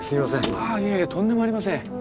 ああいえいえとんでもありません。